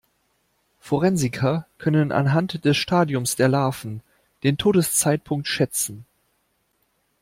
Forensiker können anhand des Stadiums der Larven den Todeszeitpunkt schätzen.